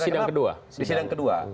di sidang kedua